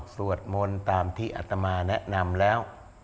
สวดมนต์ตามที่อัตมาแนะนำแล้ว